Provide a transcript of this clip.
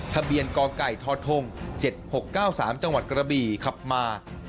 ทะเบียนกไก่ทธ๗๖๙๓จังหวัดกระบี่ขับมา